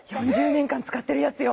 ４０年間つかってるやつよ。